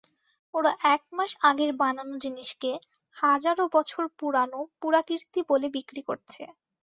ওরা এক মাস আগের বানানো জিনিসকে হাজারো বছর পুরোনো পুরাকীর্তি বলে বিক্রি করছে।